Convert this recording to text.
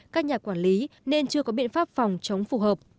các nhà quản lý nên chưa có biện pháp phòng chống phù hợp